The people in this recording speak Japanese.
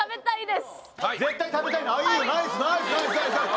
絶対食べたいの？